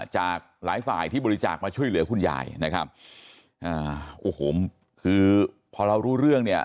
จากหลายฝ่ายที่บริจาคมาช่วยเหลือคุณยายนะครับอ่าโอ้โหคือพอเรารู้เรื่องเนี่ย